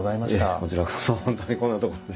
こちらこそ本当にこんなところで。